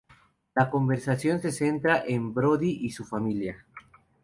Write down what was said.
La conversación se centra en Brody y su familia.